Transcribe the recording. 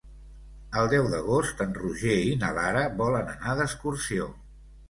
El deu d'agost en Roger i na Lara volen anar d'excursió.